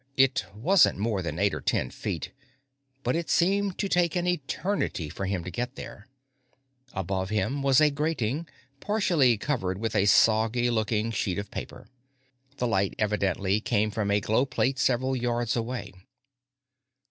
It wasn't more than eight or ten feet, but it seemed to take an eternity for him to get there. Above him was a grating, partially covered with a soggy looking sheet of paper. The light evidently came from a glow plate several yards away.